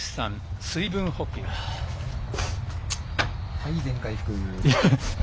はい、全回復。